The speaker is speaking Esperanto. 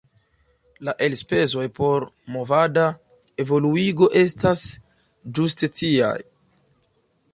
La elspezoj por movada evoluigo estas ĝuste tiaj.